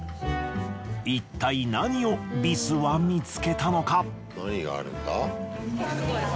いったい何をビスは見つけたのか？